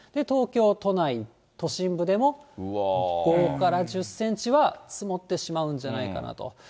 東京都内、都心部でも５から１０センチは積もってしまうんじゃないかなと。